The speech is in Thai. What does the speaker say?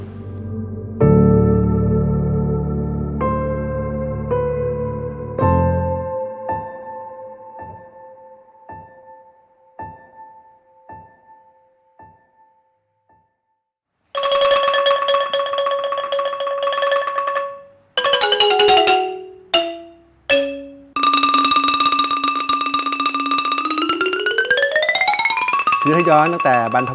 รู้สึกรุ้นมาบริเวธหรือสาปนินทรีย์